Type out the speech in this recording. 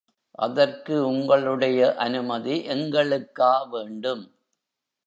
அதற்கு உங்களுடைய அனுமதி எங்களுக்கா வேண்டும்?